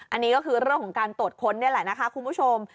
อันนี้ก็คือเรื่องของการตรวจค้นนี่แหละนะคะคุณผู้ชม